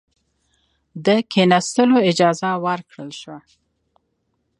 د کښېنستلو اجازه ورکړه شوه.